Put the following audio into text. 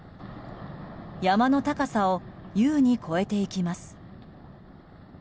山の高さを優に超えていきます。